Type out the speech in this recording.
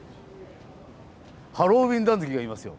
ハロウィーンダヌキがいますよ。